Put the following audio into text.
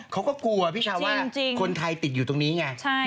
เขาก็กลัวพี่ชาวว่าคนไทยติดอยู่ตรงนี้ไง